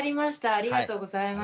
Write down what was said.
ありがとうございます。